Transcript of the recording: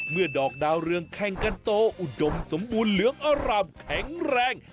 ดอกดาวเรืองแข่งกันโตอุดมสมบูรณ์เหลืองอร่ำแข็งแรง